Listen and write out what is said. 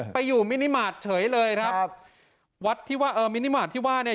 ไปอยู่มินิมาตรเฉยเลยครับครับวัดที่ว่าเออมินิมาตรที่ว่าเนี่ย